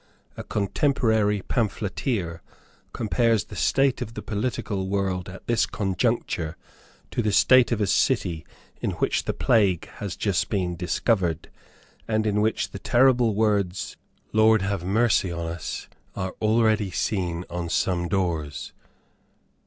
A contemporary pamphleteer compares the state of the political world at this conjuncture to the state of a city in which the plague has just been discovered, and in which the terrible words, "Lord have mercy on us," are already seen on some doors.